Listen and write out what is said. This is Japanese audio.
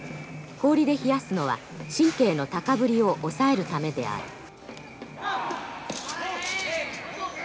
氷で冷やすのは神経の高ぶりを抑えるためである。